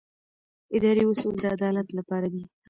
اداري اصول د عدالت لپاره دي.